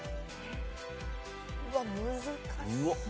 うわ難しい。